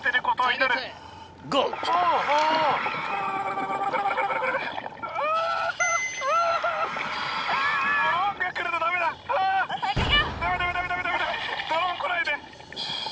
ドローン来ないで！